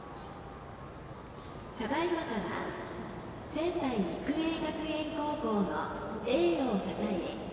ただいまから仙台育英学園高校の栄誉をたたえ